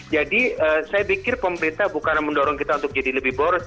jadi saya pikir pemerintah bukan mendorong kita untuk jadi lebih boros